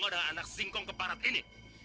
ada apa gus